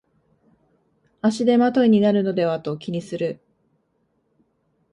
足手まといになるのではと気にする